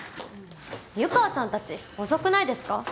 湯川さんたち遅くないですか？